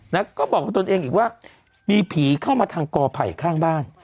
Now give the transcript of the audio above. แล้วก็บอกกับตนเองอีกว่ามีผีเข้ามาทางกอไผ่ข้างบ้าน